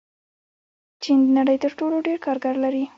چین د نړۍ تر ټولو ډېر کارګر لري.